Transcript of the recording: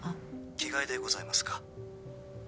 着替えでございますか。